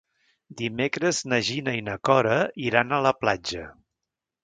Dimecres na Gina i na Cora iran a la platja.